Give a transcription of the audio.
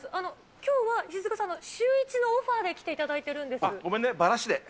きょうは石塚さんのシューイチのオファーで来ていただいているんごめんね、バラしで。